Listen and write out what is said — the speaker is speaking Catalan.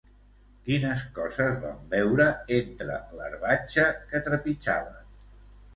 Quines coses van veure entre l'herbatge que trepitjaven?